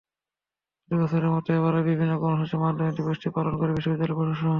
প্রতিবছরের মতো এবারও বিভিন্ন কর্মসূচির মাধ্যমে দিবসটি পালন করবে বিশ্ববিদ্যালয় প্রশাসন।